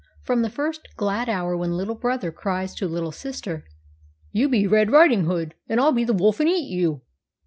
From the first glad hour when little brother cries to little sister, " You be Red Riding Hood, and I'll be the wolf and eat you